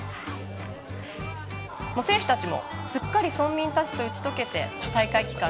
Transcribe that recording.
選手たちもすっかり村民たちと打ち解けて大会期間